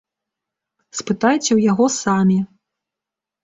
Спытайце ў яго самі.